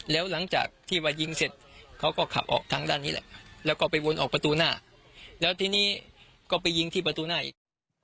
แล้วก็ไปวนออกประตูหน้าแล้วที่นี่ก็ไปยิงที่ประตูหน้าอีก